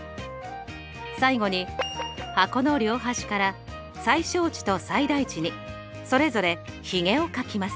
最後に箱の両端から最小値と最大値にそれぞれひげを書きます。